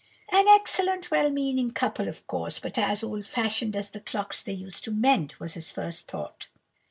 "'An excellent, well meaning couple, of course, but as old fashioned as the clocks they used to mend,' was his first thought.